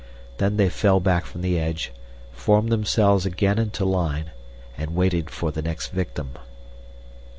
Then they fell back from the edge, formed themselves again into line, and waited for the next victim.